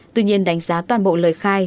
tuy nhiên đánh giá toàn bộ lời khai